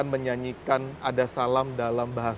itu pengajaran dari untuk keempat palms floating your becky